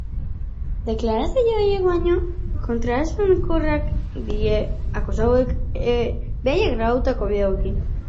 Deklarazio horiek, baina, kontraesankorrak dira akusatuek eurek grabatutako bideoekin.